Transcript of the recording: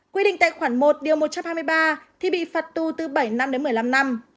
quy định tại khoản một điều một trăm hai mươi ba thì bị phạt tù từ bảy năm đến một mươi năm năm